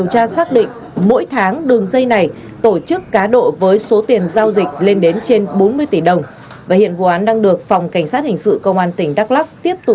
các đối tượng đã tổ chức cá đồ bóng đá trên địa bàn tỉnh đắk lắk